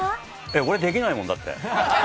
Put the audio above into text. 俺できないもん、だって。